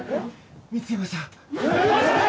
見つけましたえー！